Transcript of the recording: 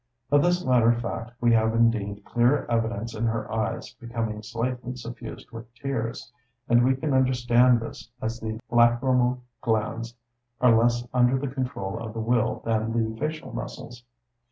Of this latter fact we have indeed clear evidence in her eyes becoming slightly suffused with tears; and we can understand this, as the lacrymal glands are less under the control of the will than the facial muscles.